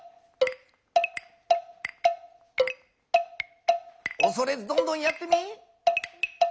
おそれずどんどんやってみ。